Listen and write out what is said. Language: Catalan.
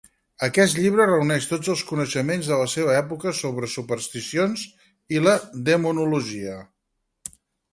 Aquest llibre reuneix tots els coneixements de la seva època sobre supersticions i la demonologia.